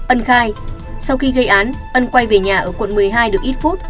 ân khai sau khi gây án ân quay về nhà ở quận một mươi hai được ít phút